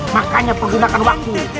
makanya penggunakan waktu